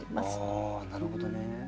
ああなるほどね。